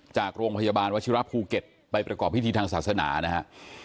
จากโรงพยาบาลวชิระภูเก็ตไปประกอบพิธีทางศาสนานะฮะ